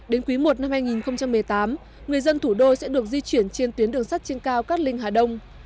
đến quý i năm hai nghìn một mươi tám người dân thủ đô sẽ được di chuyển trên tuyến đường sắt trên cao cát linh hà đông